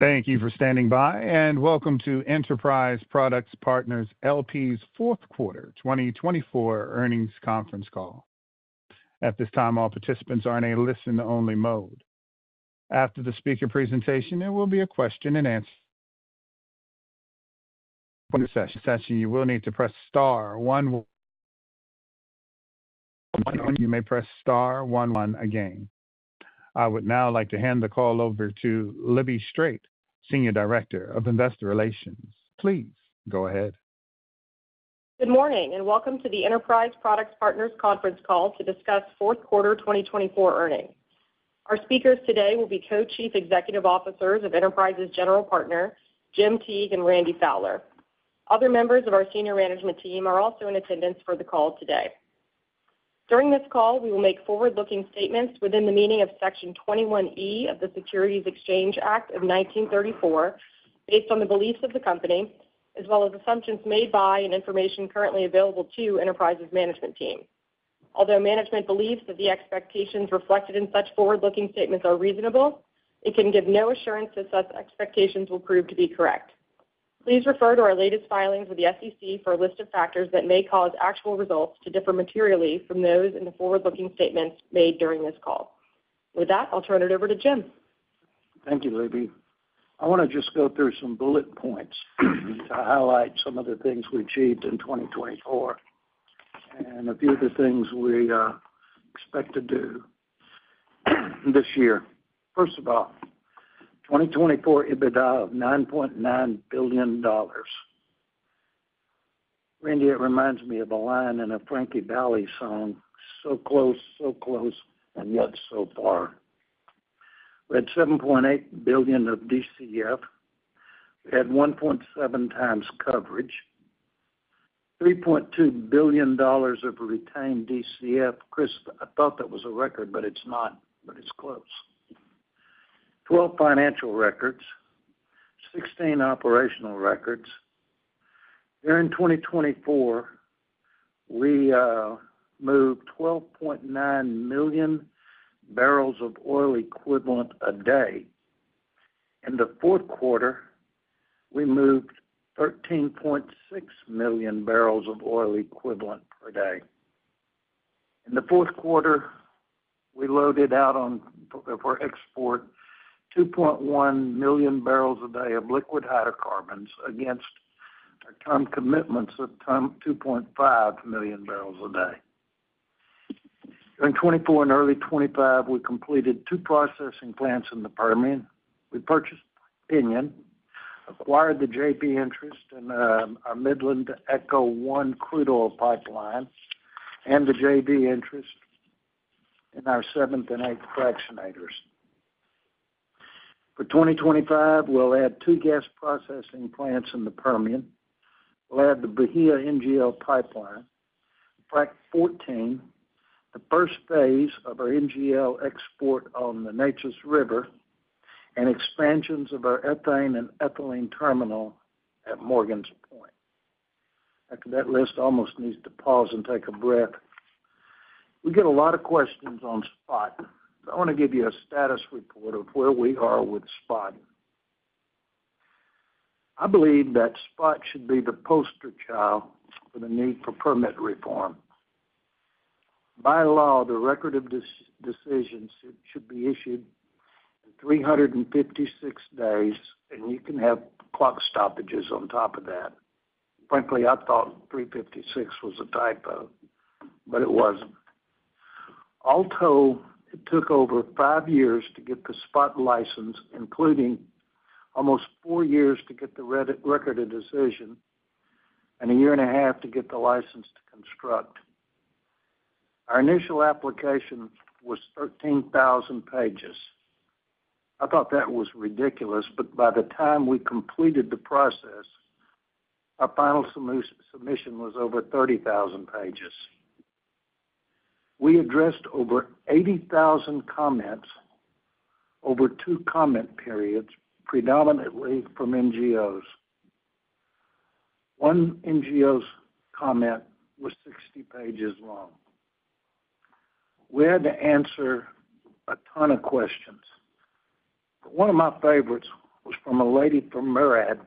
Thank you for standing by, and welcome to Enterprise Products Partners LP's Fourth Quarter 2024 Earnings Conference Call. At this time, all participants are in a listen-only mode. After the speaker presentation, there will be a question-and-answer session. You will need to press star one. You may press star one again. I would now like to hand the call over to Libby Strait, Senior Director of Investor Relations. Please go ahead. Good morning, and welcome to the Enterprise Products Partners Conference Call to discuss Fourth Quarter 2024 earnings. Our speakers today will be Co-Chief Executive Officers of Enterprise's General Partner, Jim Teague, and Randy Fowler. Other members of our Senior Management Team are also in attendance for the call today. During this call, we will make forward-looking statements within the meaning of Section 21E of the Securities Exchange Act of 1934 based on the beliefs of the company, as well as assumptions made by and information currently available to Enterprise's Management Team. Although management believes that the expectations reflected in such forward-looking statements are reasonable, it can give no assurance that such expectations will prove to be correct. Please refer to our latest filings with the SEC for a list of factors that may cause actual results to differ materially from those in the forward-looking statements made during this call. With that, I'll turn it over to Jim. Thank you, Libby. I want to just go through some bullet points to highlight some of the things we achieved in 2024 and a few of the things we expect to do this year. First of all, 2024 EBITDA of $9.9 billion. Randy, it reminds me of a line in a Frankie Valli song, "So close, so close, and yet so far." We had $7.8 billion of DCF. We had 1.7 times coverage. $3.2 billion of retained DCF. Chris, I thought that was a record, but it's not, but it's close. 12 financial records, 16 operational records. During 2024, we moved 12.9 million barrels of oil equivalent a day. In the fourth quarter, we moved 13.6 million barrels of oil equivalent per day. In the fourth quarter, we loaded out on for export 2.1 million barrels a day of liquid hydrocarbons against our term commitments of 2.5 million barrels a day. During 2024 and early 2025, we completed two processing plants in the Permian. We purchased Pinion, acquired the JV Interest in our Midland-to-ECHO 1 One crude oil pipeline, and the JV Interest in our seventh and eighth fractionators. For 2025, we'll add two gas processing plants in the Permian. We'll add the Bahia NGL pipeline, Frac 14, the first phase of our NGL export on the Neches River, and expansions of our ethane and ethylene terminal at Morgan's Point. After that list, I almost need to pause and take a breath. We get a lot of questions on SPOT, so I want to give you a status report of where we are with SPOT. I believe that SPOT should be the poster child for the need for permit reform. By law, the record of decisions should be issued in 356 days, and you can have clock stoppages on top of that. Frankly, I thought 356 was a typo, but it wasn't. Although it took over five years to get the SPOT license, including almost four years to get the record of decision and a year and a half to get the license to construct. Our initial application was 13,000 pages. I thought that was ridiculous, but by the time we completed the process, our final submission was over 30,000 pages. We addressed over 80,000 comments over two comment periods, predominantly from NGOs. One NGO's comment was 60 pages long. We had to answer a ton of questions. One of my favorites was from a lady from MARAD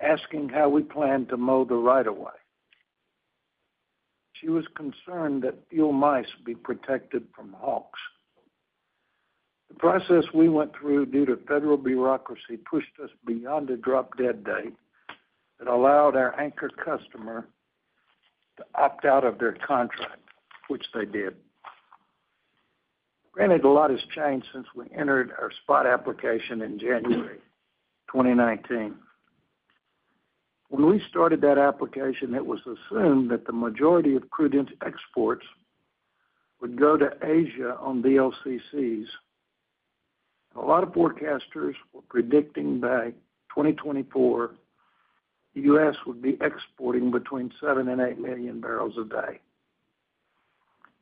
asking how we planned to mow the right of way. She was concerned that field mice would be protected from hawks. The process we went through due to federal bureaucracy pushed us beyond a drop-dead date that allowed our anchor customer to opt out of their contract, which they did. Granted, a lot has changed since we entered our SPOT application in January 2019. When we started that application, it was assumed that the majority of crude exports would go to Asia on VLCCs. A lot of forecasters were predicting by 2024, the U.S. would be exporting between 7 and 8 million barrels a day.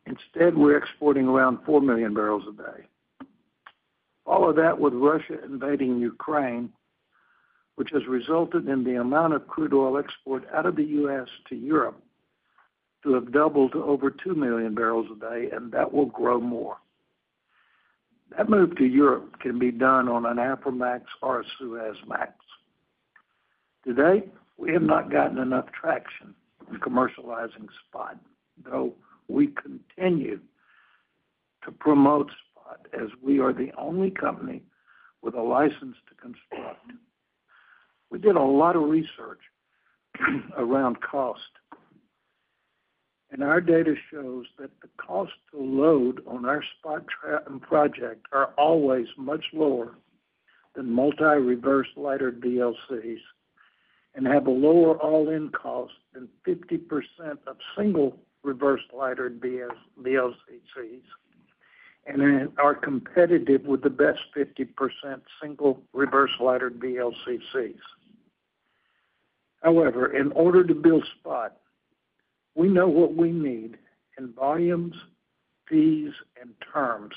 Instead, we're exporting around 4 million barrels a day. Follow that with Russia invading Ukraine, which has resulted in the amount of crude oil export out of the U.S. to Europe to have doubled to over two million barrels a day, and that will grow more. That move to Europe can be done on an Aframax or a Suezmax. Today, we have not gotten enough traction in commercializing SPOT, though we continue to promote SPOT as we are the only company with a license to construct. We did a lot of research around cost, and our data shows that the cost to load on our SPOT project are always much lower than multi-reverse lightering VLCCs and have a lower all-in cost than 50% of single reverse lightering VLCCs and are competitive with the best 50% single reverse lightering VLCCs. However, in order to build SPOT, we know what we need in volumes, fees, and terms.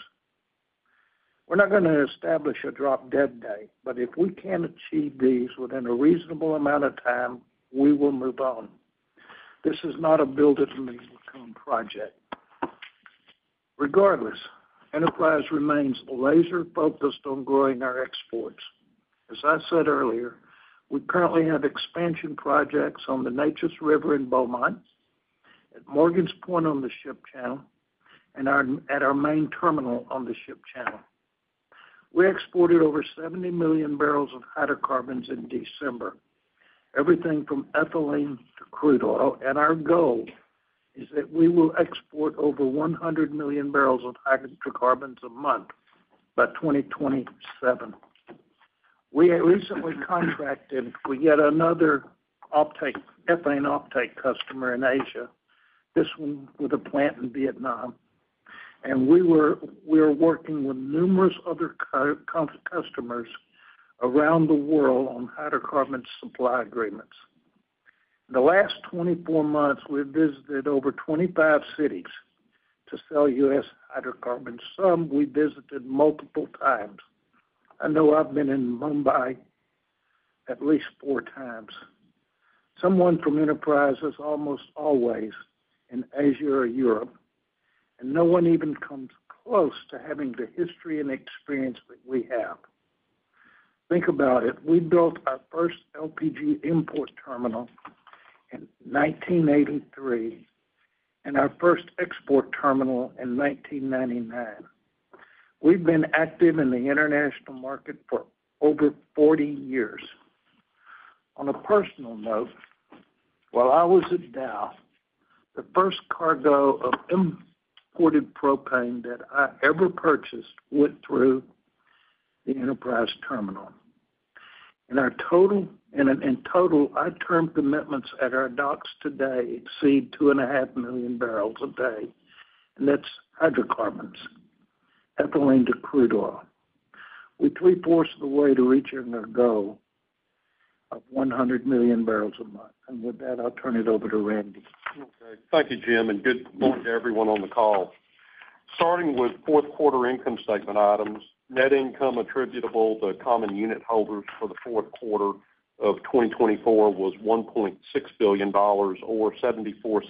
We're not going to establish a drop-dead day, but if we can achieve these within a reasonable amount of time, we will move on. is not a build it and they will come project. Regardless, Enterprise remains laser-focused on growing our exports. As I said earlier, we currently have expansion projects on the Neches River in Beaumont, at Morgan's Point on the Ship Channel, and at our main terminal on the Ship Channel. We exported over 70 million barrels of hydrocarbons in December, everything from ethylene to crude oil, and our goal is that we will export over 100 million barrels of hydrocarbons a month by 2027. We recently contracted with yet another ethane uptake customer in Asia, this one with a plant in Vietnam, and we are working with numerous other customers around the world on hydrocarbon supply agreements. In the last 24 months, we've visited over 25 cities to sell U.S. hydrocarbons. Some we visited multiple times. I know I've been in Mumbai at least four times. Someone from Enterprise is almost always in Asia or Europe, and no one even comes close to having the history and experience that we have. Think about it. We built our first LPG import terminal in 1983 and our first export terminal in 1999. We've been active in the international market for over 40 years. On a personal note, while I was at Dow, the first cargo of imported propane that I ever purchased went through the Enterprise terminal. In total, our term commitments at our docks today exceed 2.5 million barrels a day, and that's hydrocarbons, ethylene to crude oil. We're three-fourths of the way to reaching our goal of 100 million barrels a month, and with that, I'll turn it over to Randy. Okay. Thank you, Jim, and good morning to everyone on the call. Starting with fourth quarter income statement items, net income attributable to common unit holders for the fourth quarter of 2024 was $1.6 billion or $0.74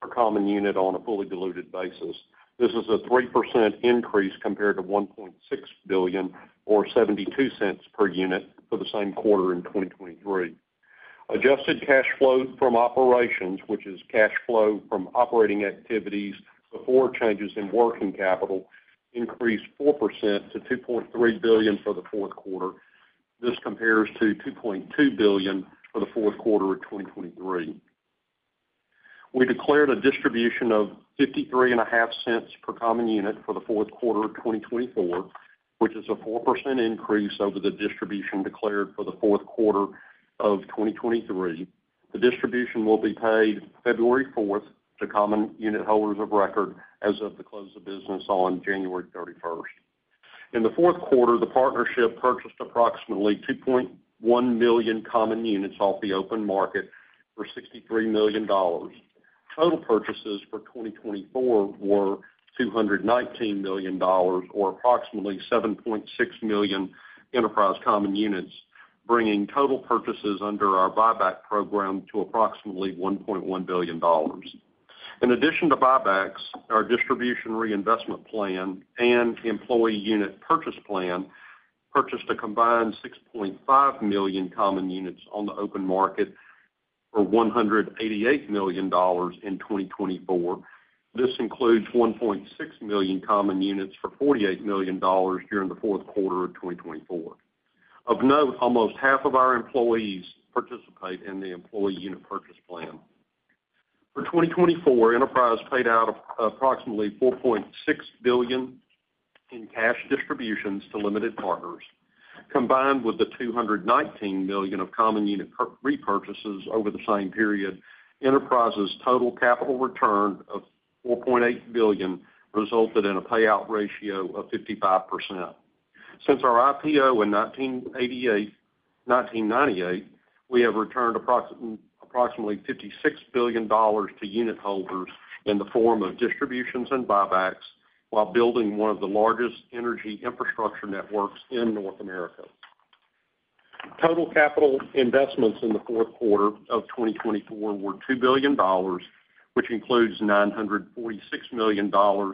per common unit on a fully diluted basis. This is a 3% increase compared to $1.6 billion or $0.72 per unit for the same quarter in 2023. Adjusted cash flow from operations, which is cash flow from operating activities before changes in working capital, increased 4% to $2.3 billion for the fourth quarter. This compares to $2.2 billion for the fourth quarter of 2023. We declared a distribution of $0.535 per common unit for the fourth quarter of 2024, which is a 4% increase over the distribution declared for the fourth quarter of 2023. The distribution will be paid February 4th to common unit holders of record as of the close of business on January 31st. In the fourth quarter, the partnership purchased approximately 2.1 million common units off the open market for $63 million. Total purchases for 2024 were $219 million, or approximately 7.6 million Enterprise common units, bringing total purchases under our buyback program to approximately $1.1 billion. In addition to buybacks, our distribution reinvestment plan and employee unit purchase plan purchased a combined 6.5 million common units on the open market for $188 million in 2024. This includes 1.6 million common units for $48 million during the fourth quarter of 2024. Of note, almost half of our employees participate in the employee unit purchase plan. For 2024, Enterprise paid out approximately $4.6 billion in cash distributions to limited partners. Combined with the $219 million of common unit repurchases over the same period, Enterprise's total capital return of $4.8 billion resulted in a payout ratio of 55%. Since our IPO in 1998, we have returned approximately $56 billion to unit holders in the form of distributions and buybacks while building one of the largest energy infrastructure networks in North America. Total capital investments in the fourth quarter of 2024 were $2 billion, which includes $946 million for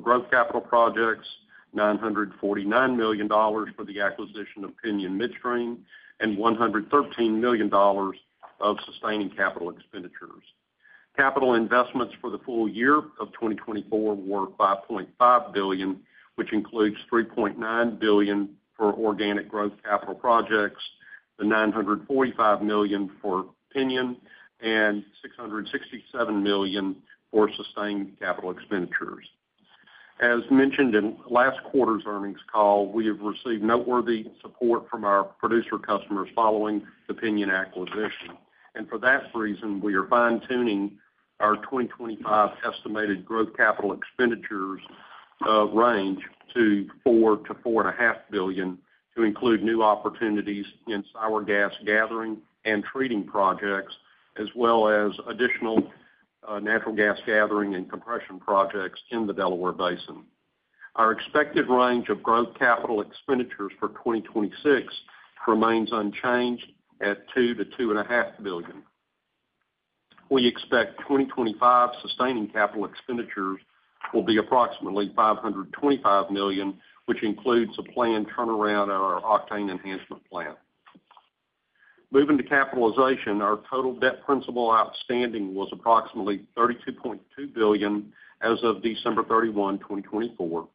growth capital projects, $949 million for the acquisition of Pinion Midstream, and $113 million of sustaining capital expenditures. Capital investments for the full year of 2024 were $5.5 billion, which includes $3.9 billion for organic growth capital projects, the $945 million for Pinion, and $667 million for sustaining capital expenditures. As mentioned in last quarter's earnings call, we have received noteworthy support from our producer customers following the Pinion acquisition. For that reason, we are fine-tuning our 2025 estimated growth capital expenditures range to $4-$4.5 billion to include new opportunities in sour gas gathering and treating projects, as well as additional natural gas gathering and compression projects in the Delaware Basin. Our expected range of growth capital expenditures for 2026 remains unchanged at $2-$2.5 billion. We expect 2025 sustaining capital expenditures will be approximately $525 million, which includes a planned turnaround of our octane enhancement plant. Moving to capitalization, our total debt principal outstanding was approximately $32.2 billion as of December 31, 2024.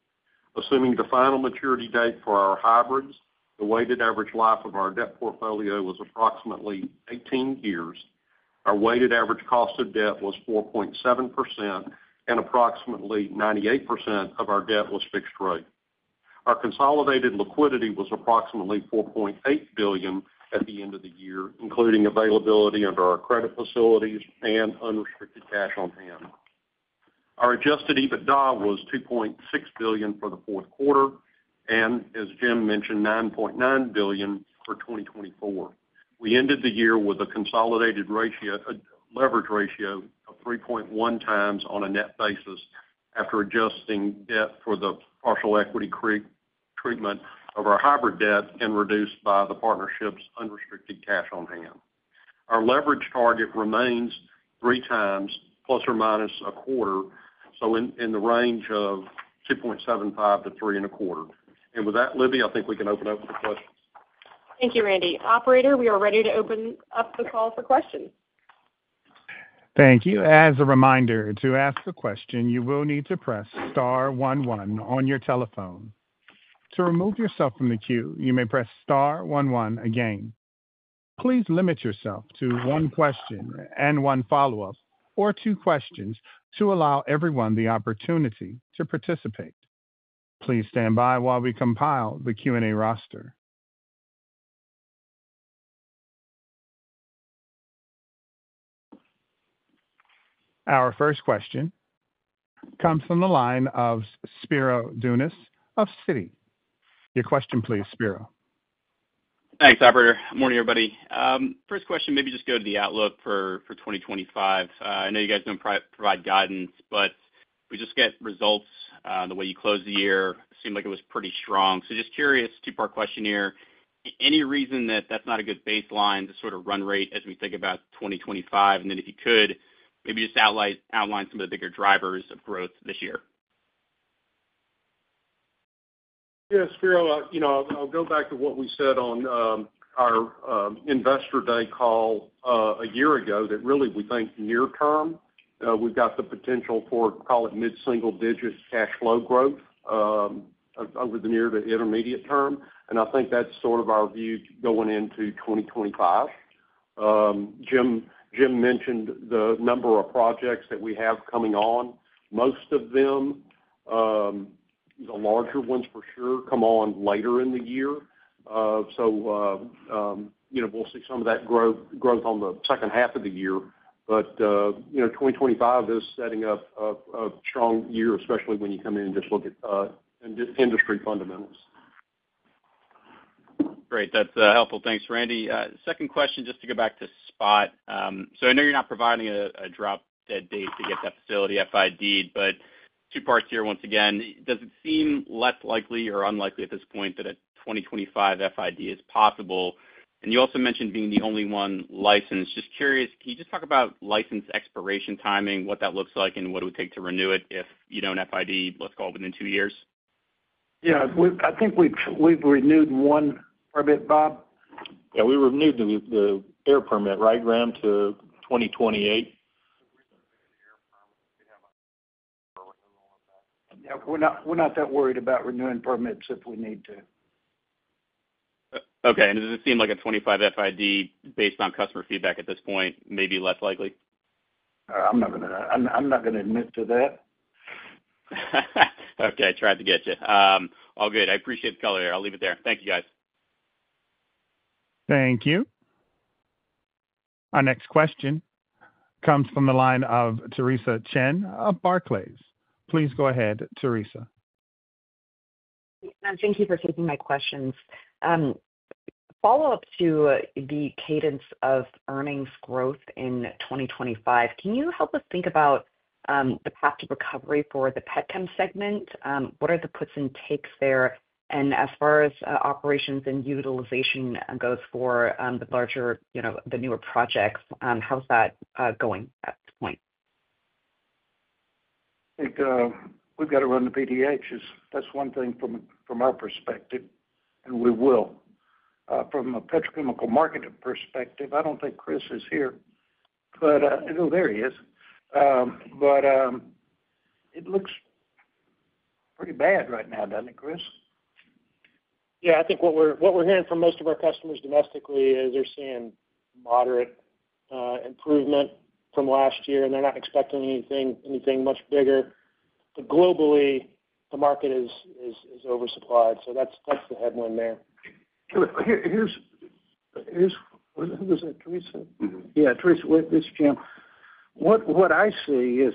Assuming the final maturity date for our hybrids, the weighted average life of our debt portfolio as approximately 18 years. Our weighted average cost of debt was 4.7%, and approximately 98% of our debt was fixed rate. Our consolidated liquidity was approximately $4.8 billion at the end of the year, including availability under our credit facilities and unrestricted cash on hand. Our Adjusted EBITDA was $2.6 billion for the fourth quarter, and as Jim mentioned, $9.9 billion for 2024. We ended the year with a consolidated leverage ratio of 3.1 times on a net basis after adjusting debt for the partial equity treatment of our hybrid debt and reduced by the partnership's unrestricted cash on hand. Our leverage target remains three times, plus or minus a quarter, so in the range of 2.75-3 and a quarter. And with that, Libby, I think we can open up for questions. Thank you, Randy. Operator, we are ready to open up the call for questions. Thank you. As a reminder, to ask a question, you will need to press star one one on your telephone. To remove yourself from the queue, you may press star one one again. Please limit yourself to one question and one follow-up, or two questions, to allow everyone the opportunity to participate. Please stand by while we compile the Q&A roster. Our first question comes from the line of Spiro Dounis of Citi. Your question, please, Spiro. Thanks, Operator. Good morning, everybody. First question, maybe just go to the outlook for 2025. I know you guys don't provide guidance, but we just get results the way you closed the year. Seemed like it was pretty strong. So just curious, two-part question here. Any reason that that's not a good baseline to sort of run rate as we think about 2025? And then if you could, maybe just outline some of the bigger drivers of growth this year. Yeah, Spiro, I'll go back to what we said on our investor day call a year ago that really we think near-term, we've got the potential for, call it mid-single digit cash flow growth over the near to intermediate term. And I think that's sort of our view going into 2025. Jim mentioned the number of projects that we have coming on. Most of them, the larger ones for sure, come on later in the year. So we'll see some of that growth on the second half of the year. But 2025 is setting up a strong year, especially when you come in and just look at industry fundamentals. Great. That's helpful. Thanks, Randy. Second question, just to go back to SPOT. So I know you're not providing a drop-dead date to get that facility FIDed, but two parts here once again. Does it seem less likely or unlikely at this point that a 2025 FID is possible? And you also mentioned being the only one licensed. Just curious, can you just talk about license expiration timing, what that looks like, and what it would take to renew it if you don't FID, let's call it, within two years? Yeah. I think we've renewed one permit, Bob? Yeah. We renewed the air permit, right, Graham, to 2028? We're not that worried about renewing permits if we need to. Okay. Does it seem like a 2025 FID, based on customer feedback at this point, may be less likely? I'm not going to admit to that. Okay. Tried to get you. All good. I appreciate the color there. I'll leave it there. Thank you, guys. Thank you. Our next question comes from the line of Teresa Chen of Barclays. Please go ahead, Teresa. Thank you for taking my questions. Follow-up to the cadence of earnings growth in 2025. Can you help us think about the path to recovery for the pet chem segment? What are the puts and takes there? And as far as operations and utilization goes for the larger newer projects, how's that going at this point? I think we've got to run the PDHs. That's one thing from our perspective, and we will. From a petrochemical market perspective, I don't think Chris is here, but there he is. But it looks pretty bad right now, doesn't it, Chris? Yeah. I think what we're hearing from most of our customers domestically is they're seeing moderate improvement from last year, and they're not expecting anything much bigger. But globally, the market is oversupplied. So that's the headwind there. Who was that? Teresa? Yeah. Teresa, this is Jim. What I see is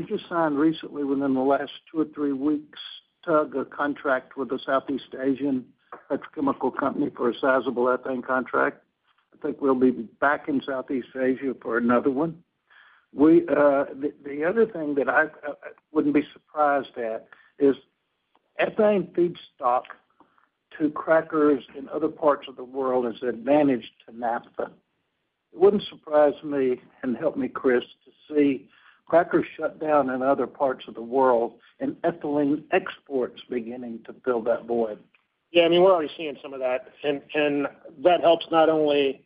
we just signed recently, within the last two or three weeks, Tug, a contract with a Southeast Asian petrochemical company for a sizable ethane contract. I think we'll be back in Southeast Asia for another one. The other thing that I wouldn't be surprised at is ethane feedstock to crackers in other parts of the world is advantaged to naphtha. It wouldn't surprise me, and help me, Chris, to see crackers shut down in other parts of the world and ethylene exports beginning to fill that void. Yeah. I mean, we're already seeing some of that. And that helps not only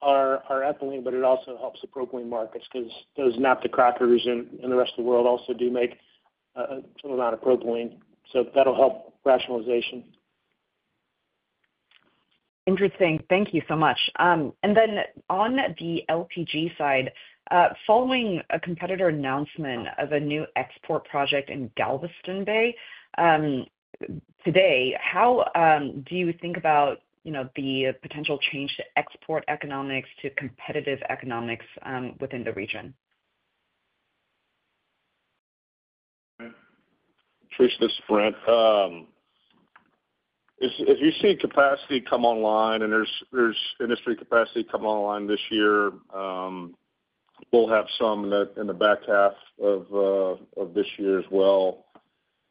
our ethylene, but it also helps the propylene markets because those NAFTA crackers in the rest of the world also do make some amount of propylene. So that'll help rationalization. Interesting. Thank you so much. And then on the LPG side, following a competitor announcement of a new export project in Galveston Bay today, how do you think about the potential change to export economics to competitive economics within the region? Teresa Chen, if you see capacity come online and there's industry capacity come online this year, we'll have some in the back half of this year as well,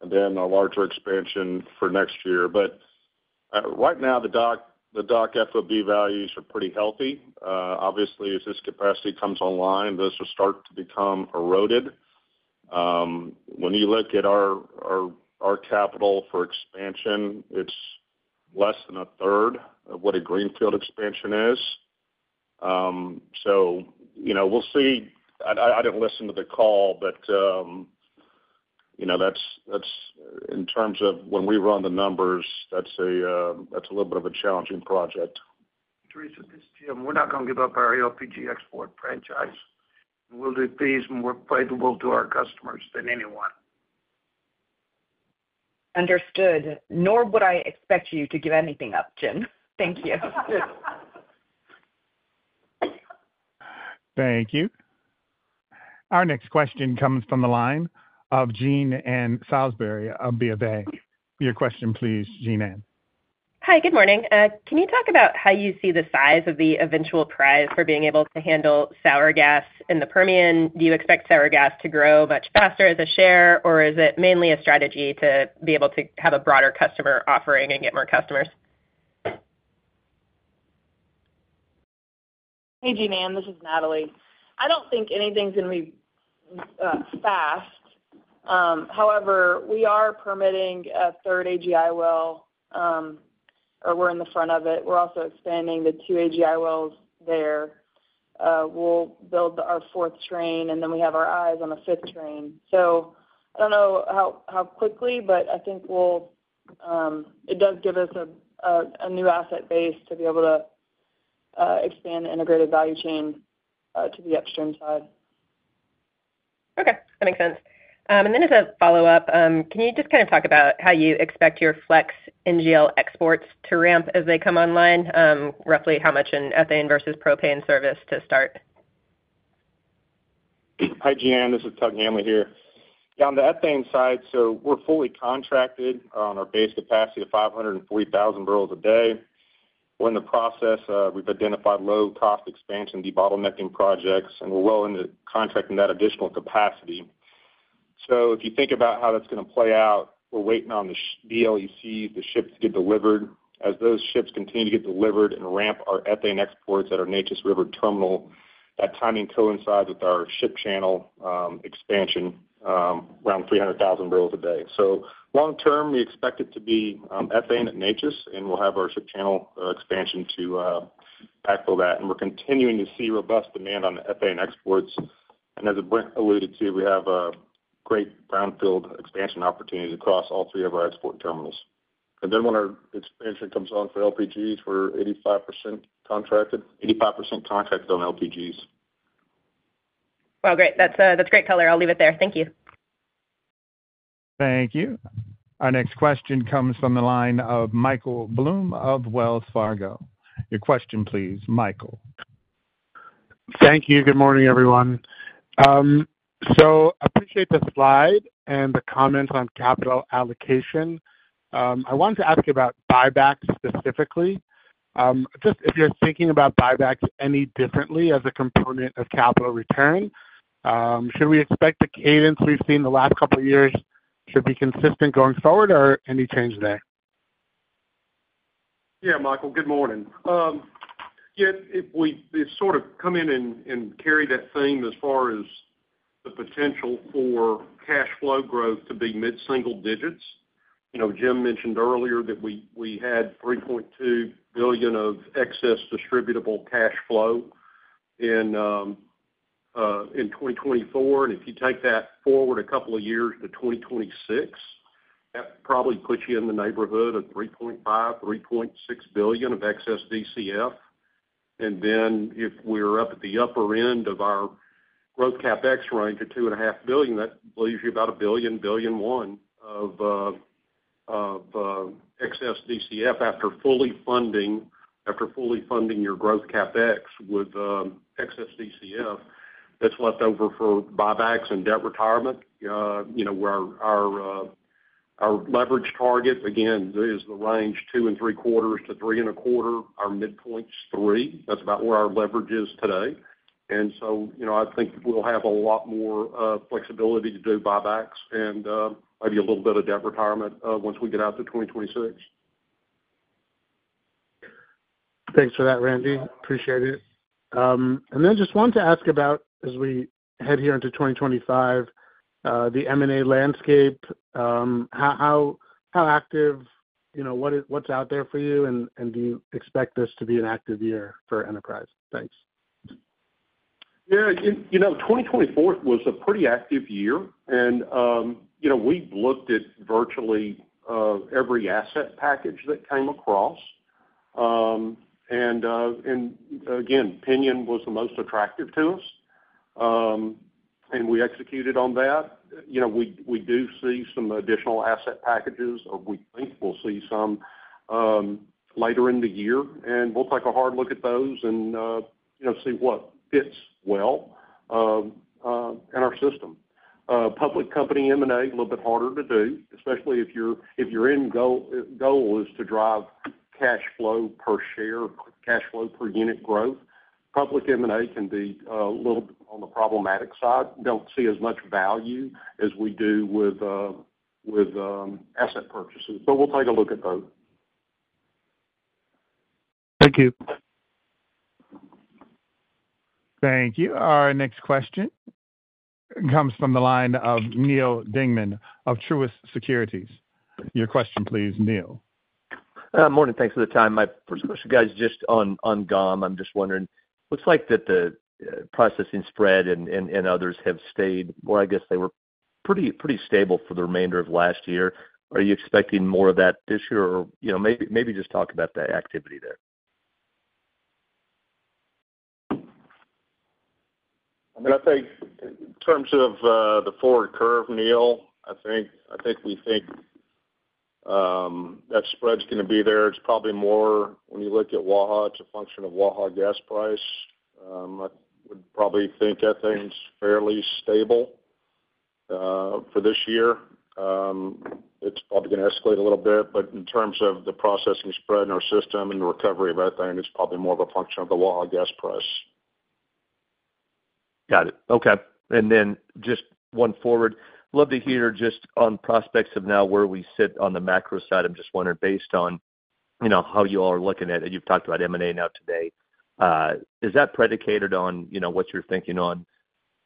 and then a larger expansion for next year, but right now, the NGL FOB values are pretty healthy. Obviously, as this capacity comes online, those will start to become eroded. When you look at our capital for expansion, it's less than a third of what a greenfield expansion is, so we'll see. I didn't listen to the call, but in terms of when we run the numbers, that's a little bit of a challenging project. Teresa, this is Jim. We're not going to give up our LPG export franchise. We'll do things more favorable to our customers than anyone. Understood. Nor would I expect you to give anything up, Jim. Thank you. Thank you. Our next question comes from the line of Jean Ann Salisbury of Bernstein. Your question, please, Jean Ann. Hi. Good morning. Can you talk about how you see the size of the eventual prize for being able to handle sour gas in the Permian? Do you expect sour gas to grow much faster as a share, or is it mainly a strategy to be able to have a broader customer offering and get more customers? Hey, Jean Ann. This is Natalie. I don't think anything's going to be fast. However, we are permitting a third AGI well, or we're in the front of it. We're also expanding the two AGI wells there. We'll build our fourth train, and then we have our eyes on a fifth train. So I don't know how quickly, but I think it does give us a new asset base to be able to expand the integrated value chain to the upstream side. Okay. That makes sense, and then as a follow-up, can you just kind of talk about how you expect your flex NGL exports to ramp as they come online? Roughly how much in ethane versus propane service to start? Hi, Jean Ann. This is Tug Hanley here. Yeah. On the ethane side, so we're fully contracted on our base capacity of 540,000 barrels a day. We're in the process. We've identified low-cost expansion debottlenecking projects, and we're well into contracting that additional capacity. So if you think about how that's going to play out, we're waiting on the VLECs, the ships to get delivered. As those ships continue to get delivered and ramp our ethane exports at our Neches River terminal, that timing coincides with our Houston Ship Channel expansion, around 300,000 barrels a day. So long-term, we expect it to be ethane at Neches, and we'll have our Houston Ship Channel expansion to backfill that. And we're continuing to see robust demand on the ethane exports. And as Brent alluded to, we have great brownfield expansion opportunities across all three of our export terminals. Then when our expansion comes on for LPGs, we're 85% contracted. 85% contracted on LPGs. Great. That's great, Hanley. I'll leave it there. Thank you. Thank you. Our next question comes from the line of Michael Blum of Wells Fargo. Your question, please, Michael. Thank you. Good morning, everyone. So I appreciate the slide and the comments on capital allocation. I wanted to ask about buybacks specifically. Just if you're thinking about buybacks any differently as a component of capital return, should we expect the cadence we've seen the last couple of years should be consistent going forward, or any change there? Yeah, Michael, good morning. Yeah. It's sort of come in and carry that theme as far as the potential for cash flow growth to be mid-single digits. Jim mentioned earlier that we had $3.2 billion of excess distributable cash flow in 2024. And if you take that forward a couple of years to 2026, that probably puts you in the neighborhood of $3.5-$3.6 billion of excess DCF. And then if we're up at the upper end of our growth CapEx range at $2.5 billion, that leaves you about $1 billion-$1.1 billion of excess DCF after fully funding your growth CapEx with excess DCF that's left over for buybacks and debt retirement. Our leverage target, again, is the range two and three quarters to three and a quarter. Our midpoint's three. That's about where our leverage is today. I think we'll have a lot more flexibility to do buybacks and maybe a little bit of debt retirement once we get out to 2026. Thanks for that, Randy. Appreciate it. And then just wanted to ask about, as we head here into 2025, the M&A landscape. How active? What's out there for you? And do you expect this to be an active year for Enterprise? Thanks. Yeah. 2024 was a pretty active year. And we've looked at virtually every asset package that came across. And again, Pinion was the most attractive to us. And we executed on that. We do see some additional asset packages, or we think we'll see some later in the year. And we'll take a hard look at those and see what fits well in our system. Public company M&A, a little bit harder to do, especially if your end goal is to drive cash flow per share, cash flow per unit growth. Public M&A can be a little bit on the problematic side. Don't see as much value as we do with asset purchases. But we'll take a look at both. Thank you. Thank you. Our next question comes from the line of Neil Dingmann of Truist Securities. Your question, please, Neil. Morning. Thanks for the time. My first question, guys, is just on G&P. I'm just wondering. Looks like that the processing spread and others have stayed, or I guess they were pretty stable for the remainder of last year. Are you expecting more of that this year? Or maybe just talk about that activity there. I mean, I think in terms of the forward curve, Neil, I think we think that spread's going to be there. It's probably more when you look at Waha. It's a function of Waha gas price. I would probably think ethane's fairly stable for this year. It's probably going to escalate a little bit. But in terms of the processing spread in our system and the recovery of ethane, it's probably more of a function of the Waha gas price. Got it. Okay. And then just one forward. Love to hear just on prospects of now where we sit on the macro side. I'm just wondering, based on how you all are looking at it, you've talked about M&A now today. Is that predicated on what you're thinking on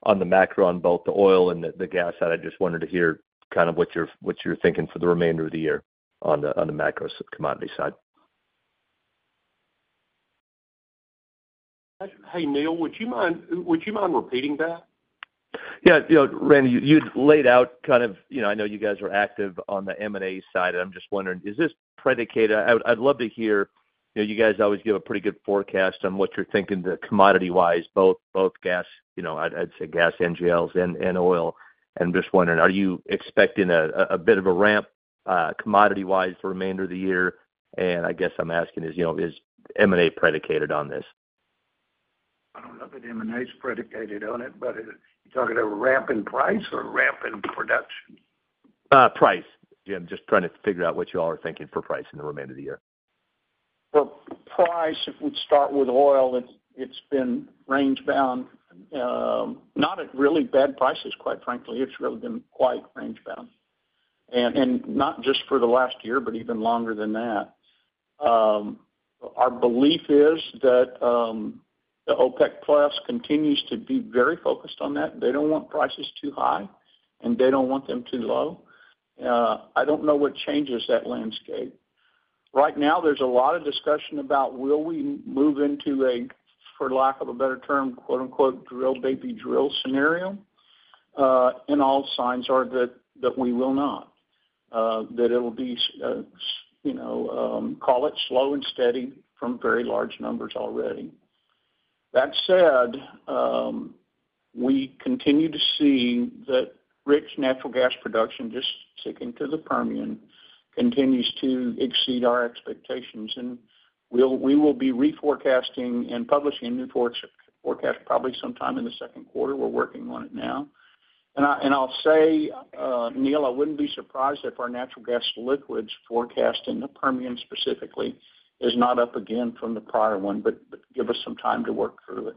the macro, on both the oil and the gas side? I just wanted to hear kind of what you're thinking for the remainder of the year on the macro commodity side. Hey, Neil, would you mind repeating that? Yeah. Randy, you'd laid out kind of, I know you guys are active on the M&A side. And I'm just wondering, is this predicated? I'd love to hear you guys always give a pretty good forecast on what you're thinking commodity-wise, both gas, I'd say gas NGLs and oil. And I'm just wondering, are you expecting a bit of a ramp commodity-wise the remainder of the year? And I guess I'm asking, is M&A predicated on this? I don't know that M&A's predicated on it, but are you talking about a ramp in price or a ramp in production? Price. I'm just trying to figure out what you all are thinking for price in the remainder of the year. On price, if we start with oil, it's been rangebound. Not at really bad prices, quite frankly. It's really been quite rangebound, not just for the last year, but even longer than that. Our belief is that the OPEC+ continues to be very focused on that. They don't want prices too high, and they don't want them too low. I don't know what changes that landscape. Right now, there's a lot of discussion about, will we move into a, for lack of a better term, "drill, baby, drill" scenario? All signs are that we will not. That it'll be, call it slow and steady from very large numbers already. That said, we continue to see that rich natural gas production just sticking to the Permian continues to exceed our expectations. We will be reforecasting and publishing a new forecast probably sometime in the second quarter. We're working on it now, and I'll say, Neil, I wouldn't be surprised if our natural gas liquids forecast in the Permian specifically is not up again from the prior one, but give us some time to work through it.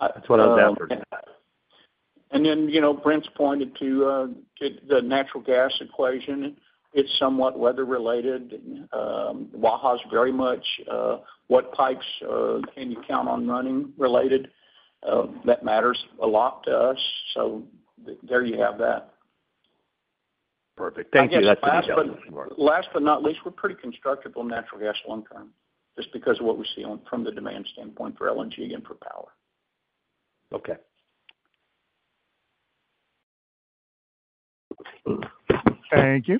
That's what I was after. And then Brent's pointed to the natural gas equation. It's somewhat weather-related. Waha's very much what pipes can you count on running related. That matters a lot to us. So there you have that. Perfect. Thank you. That's pretty helpful. Last but not least, we're pretty constructive on natural gas long-term just because of what we see from the demand standpoint for LNG and for power. Okay. Thank you.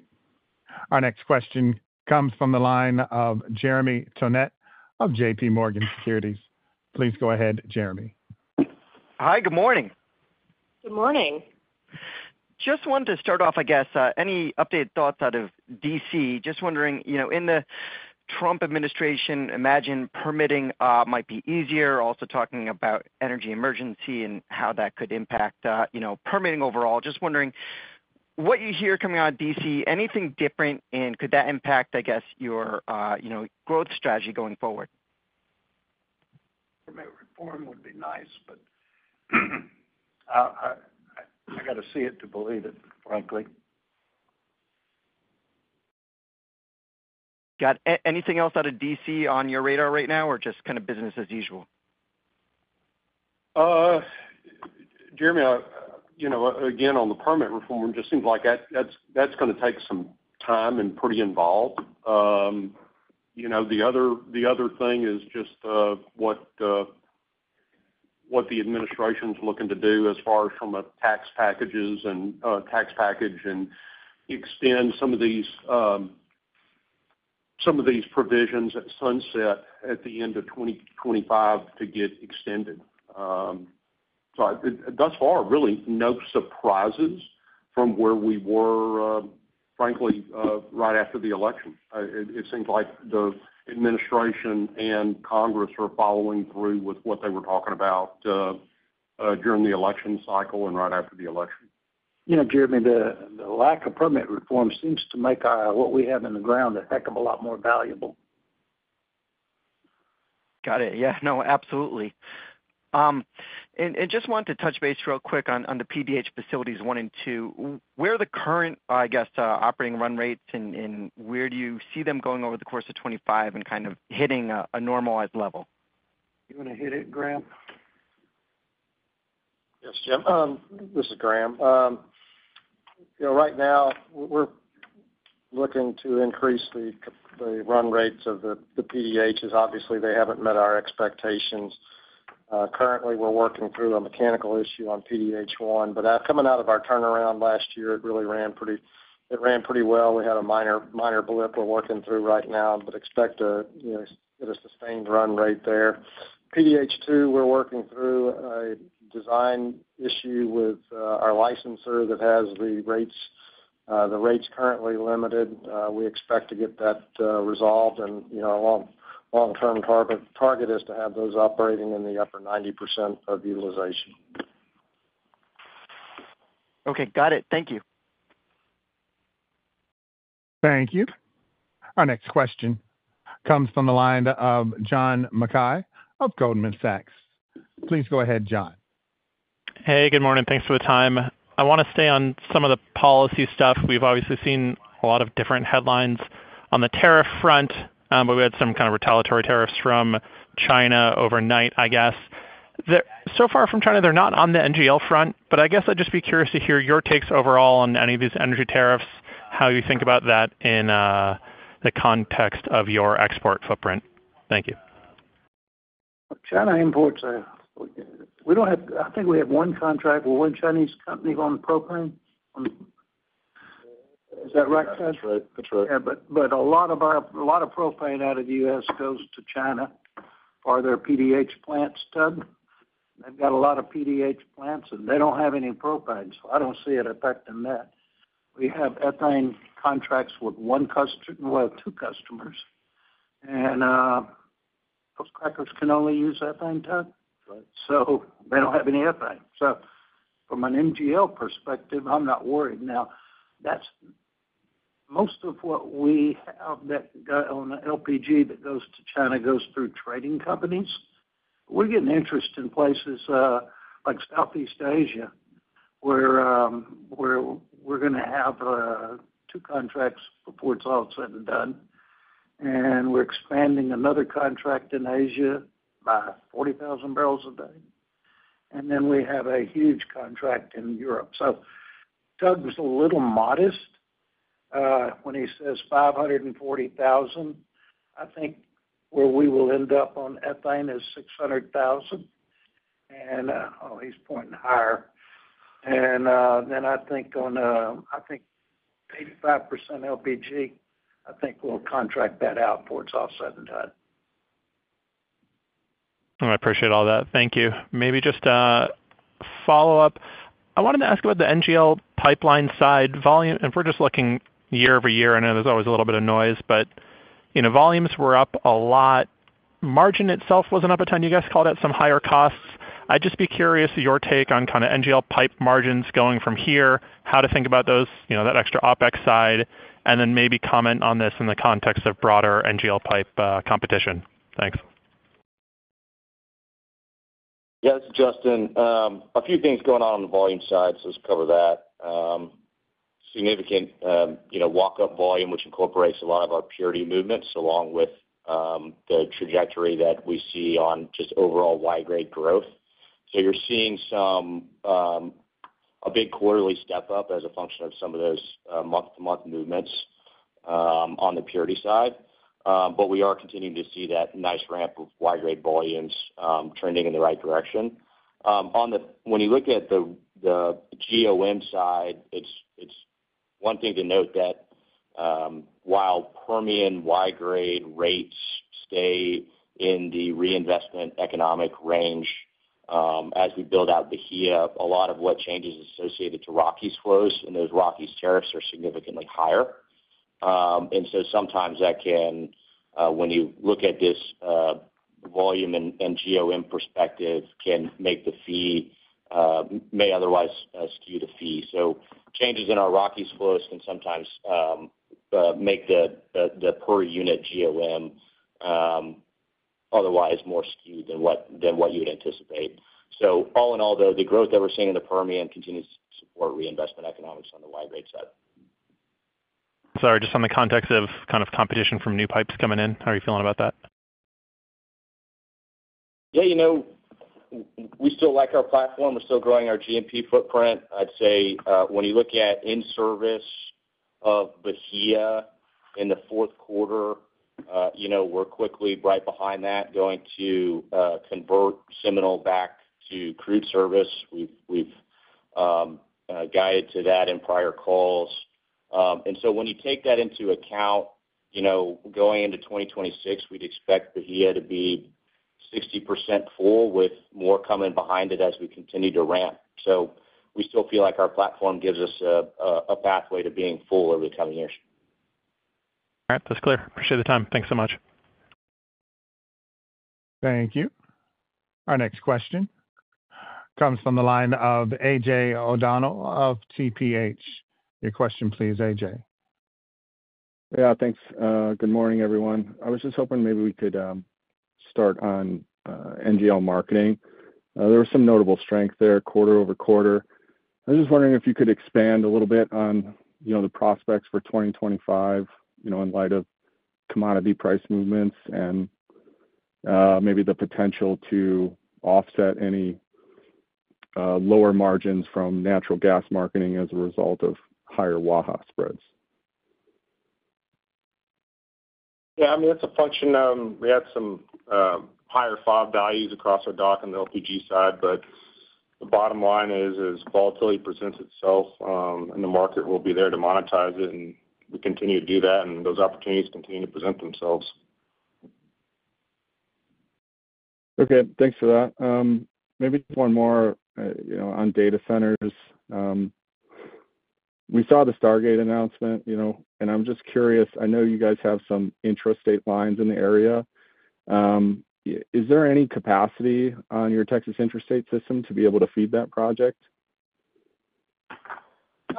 Our next question comes from the line of Jeremy Tonet of J.P. Morgan Securities. Please go ahead, Jeremy. Hi. Good morning. Good morning. Just wanted to start off, I guess, any updated thoughts out of DC? Just wondering, in the Trump administration, imagine permitting might be easier. Also talking about energy emergency and how that could impact permitting overall. Just wondering what you hear coming out of DC, anything different? And could that impact, I guess, your growth strategy going forward? Permit reform would be nice, but I got to see it to believe it, frankly. Got it. Anything else out of DC on your radar right now, or just kind of business as usual? Jeremy, again, on the permit reform, it just seems like that's going to take some time and pretty involved. The other thing is just what the administration's looking to do as far as from tax packages and extend some of these provisions at sunset at the end of 2025 to get extended. So thus far, really no surprises from where we were, frankly, right after the election. It seems like the administration and Congress are following through with what they were talking about during the election cycle and right after the election. Yeah, Jeremy, the lack of permit reform seems to make what we have in the ground a heck of a lot more valuable. Got it. Yeah. No, absolutely. And just wanted to touch base real quick on the PDH facilities one and two. Where are the current, I guess, operating run rates, and where do you see them going over the course of 2025 and kind of hitting a normalized level? You want to hit it, Graham? Yes, Jim. This is Graham. Right now, we're looking to increase the run rates of the PDHs. Obviously, they haven't met our expectations. Currently, we're working through a mechanical issue on PDH1. But coming out of our turnaround last year, it really ran pretty well. We had a minor blip we're working through right now, but expect to get a sustained run rate there. PDH2, we're working through a design issue with our licensor that has the rates currently limited. We expect to get that resolved. And our long-term target is to have those operating in the upper 90% of utilization. Okay. Got it. Thank you. Thank you. Our next question comes from the line of John Mackay of Goldman Sachs. Please go ahead, John. Hey, good morning. Thanks for the time. I want to stay on some of the policy stuff. We've obviously seen a lot of different headlines on the tariff front, but we had some kind of retaliatory tariffs from China overnight, I guess. So far from China, they're not on the NGL front, but I guess I'd just be curious to hear your takes overall on any of these energy tariffs, how you think about that in the context of your export footprint. Thank you. China imports. We don't have. I think we have one contract with one Chinese company on propane. Is that right, Tuh? That's right. That's right. Yeah. But a lot of our propane out of the U.S. goes to China for their PDH plants, Ted. They've got a lot of PDH plants, and they don't have any propane. So I don't see it affecting that. We have ethane contracts with one customer—well, two customers. And those crackers can only use ethane, Ted. So they don't have any ethane. So from an NGL perspective, I'm not worried. Now, most of what we have on the LPG that goes to China goes through trading companies. We're getting interest in places like Southeast Asia where we're going to have two contracts before it's all said and done. And we're expanding another contract in Asia by 40,000 barrels a day. And then we have a huge contract in Europe. So Ted's a little modest when he says 540,000. I think where we will end up on ethane is 600,000. And oh, he's pointing higher. And then I think 85% LPG, I think we'll contract that out before it's all said and done. I appreciate all that. Thank you. Maybe just follow-up. I wanted to ask about the NGL pipeline side volume, and if we're just looking year over year, I know there's always a little bit of noise, but volumes were up a lot. Margin itself wasn't up a ton. You guys called out some higher costs. I'd just be curious your take on kind of NGL pipe margins going from here, how to think about those, that extra OpEx side, and then maybe comment on this in the context of broader NGL pipe competition. Thanks. Yeah. This is Justin. A few things going on the volume side. So let's cover that. Significant walk-up volume, which incorporates a lot of our purity movements along with the trajectory that we see on just overall Y-grade growth. So you're seeing a big quarterly step up as a function of some of those month-to-month movements on the purity side. But we are continuing to see that nice ramp of Y-grade volumes trending in the right direction. When you look at the GOM side, it's one thing to note that while Permian Y-grade rates stay in the reinvestment economic range as we build out the Bahia, a lot of what changes is associated to Rockies flows, and those Rockies tariffs are significantly higher. And so sometimes that can, when you look at this volume and GOM perspective, make the fee may otherwise skew the fee. So changes in our Rockies flows can sometimes make the per unit GOM otherwise more skewed than what you would anticipate. So all in all, though, the growth that we're seeing in the Permian continues to support reinvestment economics on the Y-Grade side. Sorry. Just in the context of kind of competition from new pipes coming in, how are you feeling about that? Yeah. We still like our platform. We're still growing our GMP footprint. I'd say when you look at in service of the Echo One in the fourth quarter, we're quickly right behind that, going to convert Seminole back to crude service. We've guided to that in prior calls. And so when you take that into account, going into 2026, we'd expect the Echo One to be 60% full with more coming behind it as we continue to ramp. So we still feel like our platform gives us a pathway to being full over the coming years. All right. That's clear. Appreciate the time. Thanks so much. Thank you. Our next question comes from the line of AJ O'Donnell of TPH. Your question, please, AJ. Yeah. Thanks. Good morning, everyone. I was just hoping maybe we could start on NGL marketing. There was some notable strength there quarter over quarter. I was just wondering if you could expand a little bit on the prospects for 2025 in light of commodity price movements and maybe the potential to offset any lower margins from natural gas marketing as a result of higher Waha spreads. Yeah. I mean, that's a function of we had some higher FOB values across our dock on the LPG side, but the bottom line is as volatility presents itself, and the market will be there to monetize it, and we continue to do that, and those opportunities continue to present themselves. Okay. Thanks for that. Maybe one more on data centers. We saw the Stargate announcement, and I'm just curious. I know you guys have some intrastate lines in the area. Is there any capacity on your Texas Intrastate system to be able to feed that project? We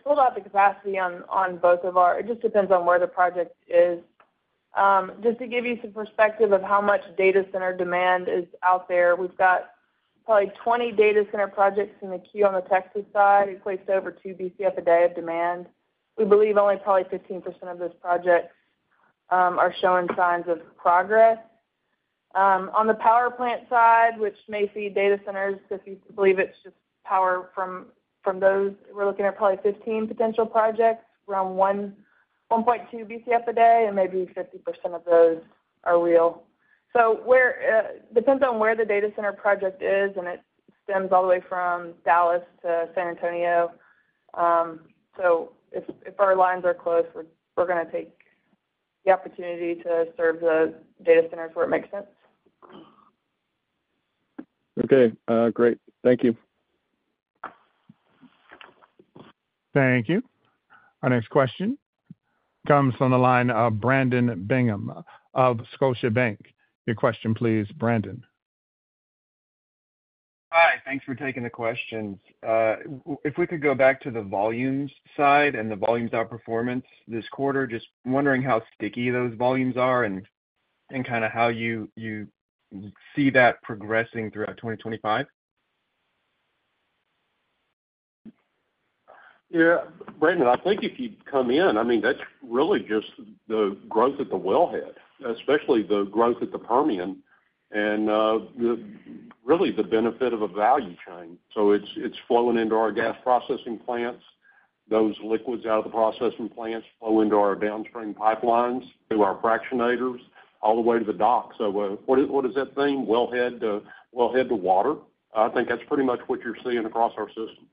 still have the capacity on both of our lines. It just depends on where the project is. Just to give you some perspective of how much data center demand is out there, we've got probably 20 data center projects in the queue on the Texas side. It places over two BCF a day of demand. We believe only probably 15% of those projects are showing signs of progress. On the power plant side, which may feed data centers if you believe it's just power from those, we're looking at probably 15 potential projects around 1.2 BCF a day, and maybe 50% of those are real. It depends on where the data center project is, and it spans all the way from Dallas to San Antonio. If our lines are closed, we're going to take the opportunity to serve the data centers where it makes sense. Okay. Great. Thank you. Thank you. Our next question comes from the line of Brandon Bingham of Scotiabank. Your question, please, Brandon. Hi. Thanks for taking the questions. If we could go back to the volumes side and the volumes outperformance this quarter, just wondering how sticky those volumes are and kind of how you see that progressing throughout 2025? Yeah. Brandon, I think if you'd come in, I mean, that's really just the growth at the wellhead, especially the growth at the Permian, and really the benefit of a value chain. So it's flowing into our gas processing plants. Those liquids out of the processing plants flow into our downstream pipelines, through our fractionators, all the way to the dock. So what does that mean? Wellhead to water. I think that's pretty much what you're seeing across our system.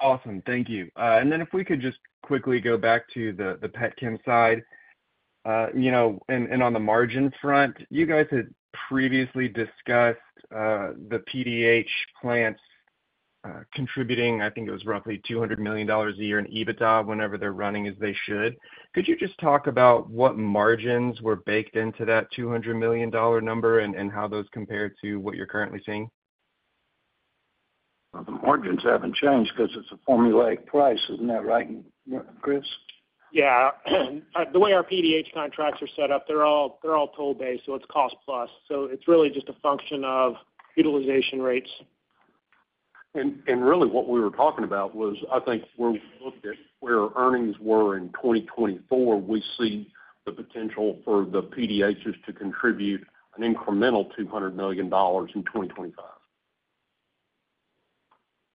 Awesome. Thank you. And then if we could just quickly go back to the Petchem side. And on the margin front, you guys had previously discussed the PDH plants contributing, I think it was roughly $200 million a year in EBITDA whenever they're running as they should. Could you just talk about what margins were baked into that $200 million number and how those compare to what you're currently seeing? The margins haven't changed because it's a formulaic price, isn't that right, Chris? Yeah. The way our PDH contracts are set up, they're all toll-based, so it's cost-plus. So it's really just a function of utilization rates. Really what we were talking about was, I think where we looked at where earnings were in 2024, we see the potential for the PDHs to contribute an incremental $200 million in 2025.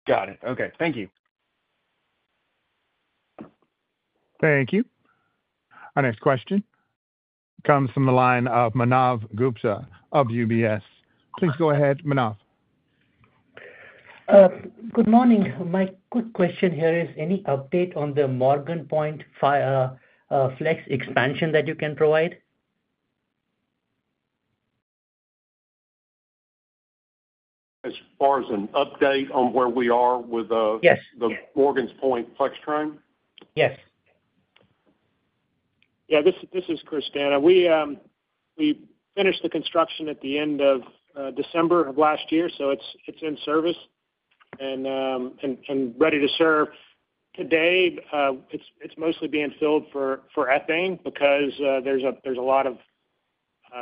Got it. Okay. Thank you. Thank you. Our next question comes from the line of Manav Gupta of UBS. Please go ahead, Manav. Good morning. My quick question here is, any update on the Morgan's Point Flex expansion that you can provide? As far as an update on where we are with the Morgan's Point Flex train? Yes. Yeah. This is Chris D'Anna. We finished the construction at the end of December of last year, so it's in service and ready to serve. Today, it's mostly being filled for ethane because there's a lot of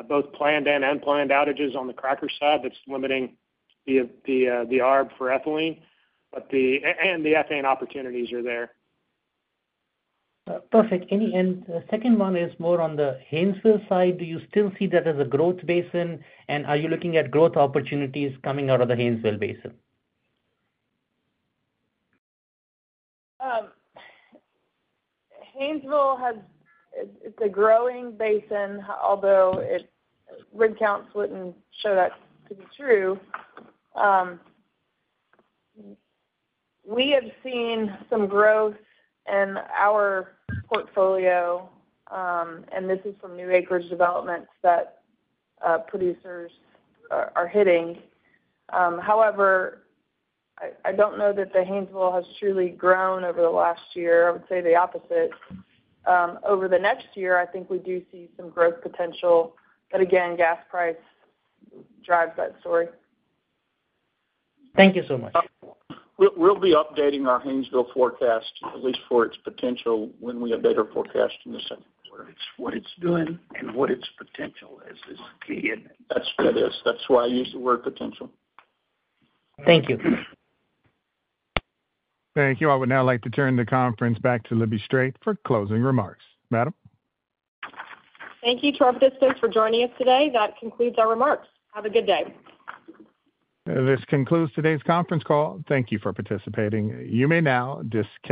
both planned and unplanned outages on the cracker side that's limiting the ARB for ethylene, and the ethane opportunities are there. Perfect. And the second one is more on the Haynesville side. Do you still see that as a growth basin, and are you looking at growth opportunities coming out of the Haynesville basin? Haynesville has a growing basin, although rate counts wouldn't show that to be true. We have seen some growth in our portfolio, and this is from new acreage developments that producers are hitting. However, I don't know that the Haynesville has truly grown over the last year. I would say the opposite. Over the next year, I think we do see some growth potential, but again, gas price drives that story. Thank you so much. We'll be updating our Haynesville forecast, at least for its potential, when we have better forecast in the second quarter. What it's doing and what its potential is key. That's what it is. That's why I use the word potential. Thank you. Thank you. I would now like to turn the conference back to Libby Strait for closing remarks. Madam? Thank you, Chair of Districts, for joining us today. That concludes our remarks. Have a good day. This concludes today's conference call. Thank you for participating. You may now disconnect.